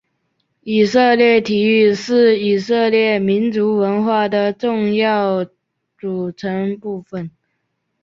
以色列体育是以色列民族文化的重要组成部分。